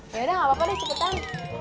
yaudah gapapa deh cepetan